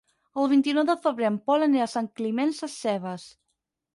El vint-i-nou de febrer en Pol anirà a Sant Climent Sescebes.